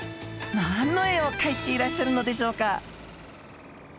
何の絵を描いていらっしゃるのでしょうか？